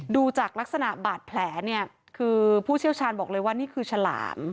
ดูจากลักษณะบาดแผลเนี่ยคือผู้เชี่ยวชาญบอกเลยว่านี่คือฉลาม